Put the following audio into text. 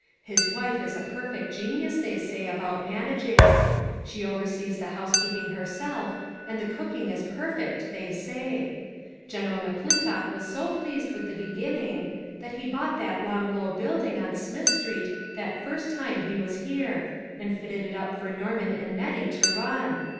His wife is a perfect genius, they say, about managing. She oversees the house keeping herself, and the cooking is perfect they say. General McClintock was so pleased with the beginning, that he bought that long low building on Smith street that first time he was here, and fitted it up for Norman and Nettie to run.